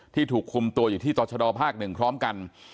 ถูกคุมตัวอยู่ที่ตรชดภาค๑พร้อมกัน